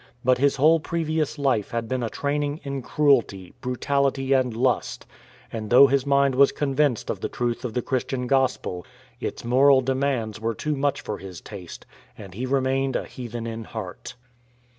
But his whole previous life had been a training in cruelty, io8 THE LAND OF BLOOD brutality, and lust ; and though his mind was convinced of the truth of the Christian Gospel, its moral demands were too much for his taste, and he remained a heathen in heart.